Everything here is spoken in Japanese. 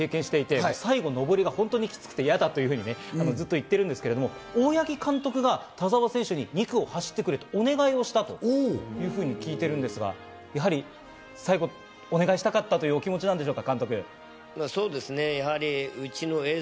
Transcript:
田澤選手、２区を経験して、最後、上りが本当にキツくて嫌だとずっと言っているんですけれど、大八木監督が田澤選手に２区を走ってくれとお願いしたというふうに聞いているんですが、やはり最後、お願いしたかったというお気持ちですか？